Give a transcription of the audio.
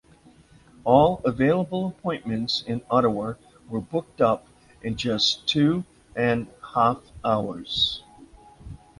All available appointments in Ottawa were booked up in just two and half hours.